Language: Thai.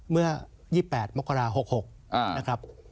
เมื่อ๒๘มกรา๖๖นะครับ